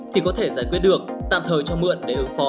thì có thể giải quyết được tạm thời cho mượn để ứng phó